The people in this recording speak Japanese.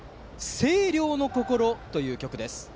「星稜の心」という曲です。